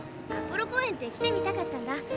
アポロ公園って来てみたかったんだ。